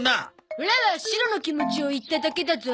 オラはシロの気持ちを言っただけだゾ。